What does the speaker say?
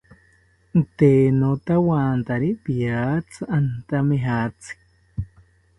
Tee notawantari piratzi antamijatzi